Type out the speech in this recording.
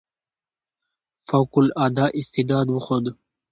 فوق العاده استعداد وښود.